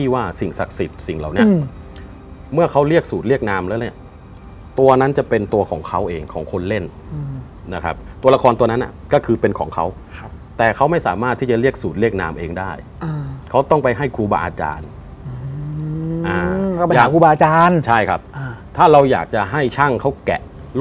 ว่าสิ่งศักดิ์สิทธิ์สิ่งเหล่านี้เมื่อเขาเรียกสูตรเรียกนามแล้วเนี่ยตัวนั้นจะเป็นตัวของเขาเองของคนเล่นนะครับตัวละครตัวนั้นก็คือเป็นของเขาแต่เขาไม่สามารถที่จะเรียกสูตรเรียกนามเองได้เขาต้องไปให้ครูบาอาจารย์เขาไปหาครูบาอาจารย์ใช่ครับถ้าเราอยากจะให้ช่างเขาแกะ